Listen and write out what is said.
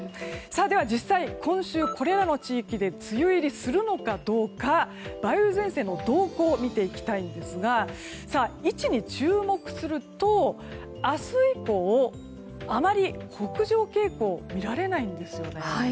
では実際、今週これらの地域で梅雨入りするのかどうか梅雨前線の動向を見ていきたいんですが位置に注目すると明日以降、あまり北上傾向は見られないんですよね。